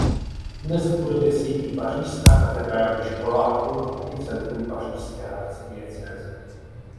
Dnes v budově sídlí Pařížská katedrální škola a kulturní centrum Pařížské arcidiecéze.